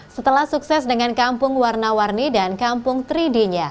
setelah sukses dengan kampung warna warni dan kampung tiga d nya